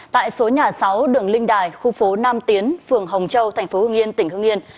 tại số nhà sáu đường linh đài khu phố nam tiến phường hồng châu tp hương yên tỉnh hương yên